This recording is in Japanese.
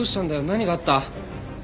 何があった？